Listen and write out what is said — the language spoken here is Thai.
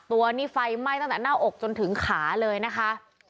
ตัวนี้ไฟไหม้ตั้งแต่หน้าอกจนถึงขาเลยนะคะ